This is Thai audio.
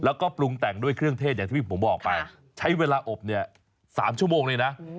แล้วก็ปรุงแต่งด้วยเครื่องเทศอย่างที่ผมบอกไปใช้เวลาอบเนี่ย๓ชั่วโมงเลยนะ